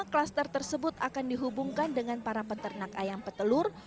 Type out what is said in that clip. klaster tersebut akan dihubungkan dengan para peternak ayam petelur